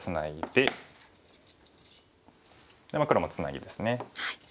で黒もツナギですね。